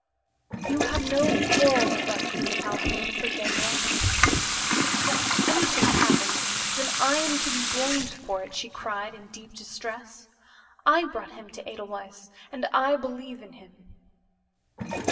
"You have no quarrel with us, Miss Calhoun," said Dangloss. "If anything happens, then, I am to be blamed for it," she cried in deep distress. "I brought him to Edelweiss, and I believe in him."